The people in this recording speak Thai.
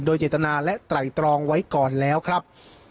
โดยเจตนาไว้ไว้ก่อนแล้วครับ